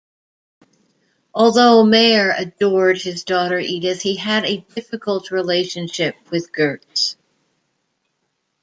Although Mayer adored his daughter Edith, he had a difficult relationship with Goetz.